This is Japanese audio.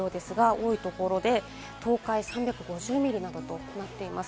多いところで東海３５０ミリなどとなっています。